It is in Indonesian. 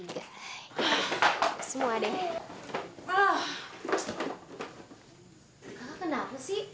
kakak kenapa sih